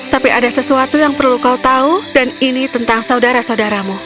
tapi ada sesuatu yang perlu kau tahu dan ini tentang saudara saudaramu